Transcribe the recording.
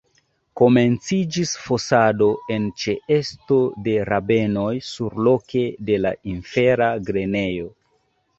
Komenciĝis fosado en ĉeesto de rabenoj surloke de la infera grenejo.